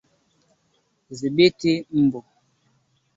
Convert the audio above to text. Dhibiti mbu